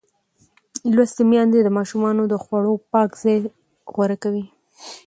لوستې میندې د ماشومانو د خوړو پاک ځای غوره کوي.